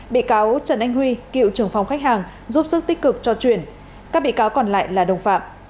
bị cáo trần anh huy cựu trưởng phòng khách hàng giúp sức tích cực cho chuyển các bị cáo còn lại là đồng phạm